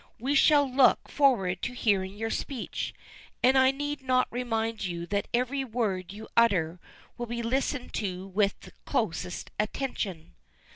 We shall look forward to hearing your speech, and I need not remind you that every word you utter will be listened to with the closest attention."